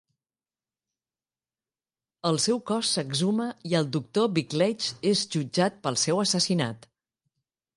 El seu cos s'exhuma i el doctor Bickleigh és jutjat pel seu assassinat.